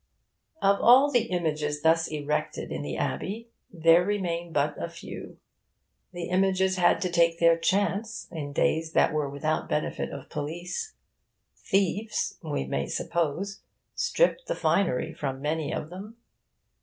Of all the images thus erected in the Abbey, there remain but a few. The images had to take their chance, in days that were without benefit of police. Thieves, we may suppose, stripped the finery from many of them.